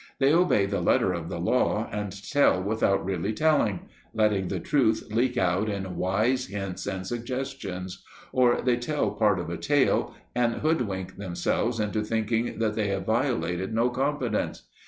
They obey the letter of the law and tell without really telling, letting the truth leak out in wise hints and suggestions, or they tell part of a tale and hoodwink themselves into thinking that they have violated no confidence.